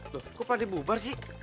loh kok nanti bubar sih